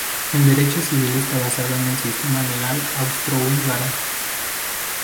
El derecho civil está basado en el sistema legal austro-húngaro.